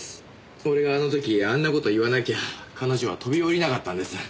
俺があの時あんな事言わなきゃ彼女は飛び降りなかったんです。